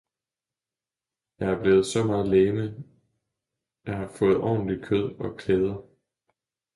jeg er blevet så meget legeme, jeg har ordentlig fået kød og klæder.